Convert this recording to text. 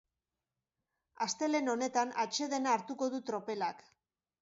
Astelehen honetan atsedena hartuko du tropelak.